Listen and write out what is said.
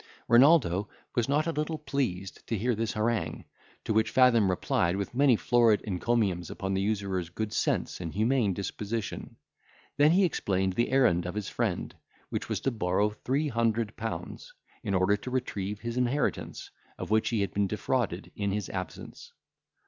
Renaldo was not a little pleased to hear this harangue, to which Fathom replied with many florid encomiums upon the usurer's good sense and humane disposition; then he explained the errand of his friend, which was to borrow three hundred pounds, in order to retrieve his inheritance, of which he had been defrauded in his absence.